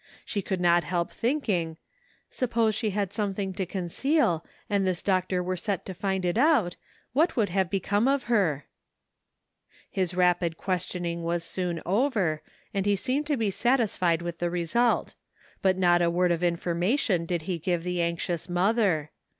She could not help thinking, "Suppose she had something to conceal, and this doctor were set to find it out, what would have become of her ?" His rapid questioning was soon over, and he seemed to be satisfied with the result ; but not a word of information did he give the anxious mother.